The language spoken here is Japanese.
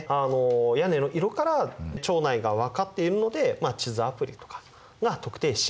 屋根の色から町内が分かっているので地図アプリとかが特定しやすいと。